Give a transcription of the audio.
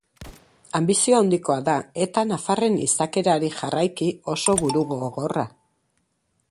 Anbizio handikoa da, eta nafarren izakerari jarraiki, oso burugogorra.